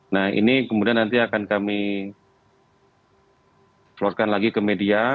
nah ini kemudian nanti akan kami florkan lagi ke media